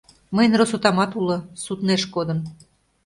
Мыйын росотамат уло — суднеш кодын.